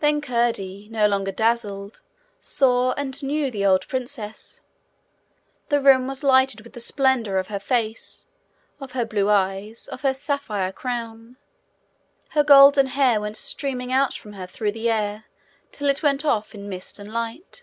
Then Curdie, no longer dazzled, saw and knew the old princess. The room was lighted with the splendour of her face, of her blue eyes, of her sapphire crown. Her golden hair went streaming out from her through the air till it went off in mist and light.